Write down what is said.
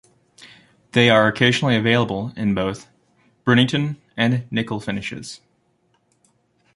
They are occasionally available in both the Bruniton and nickel finishes.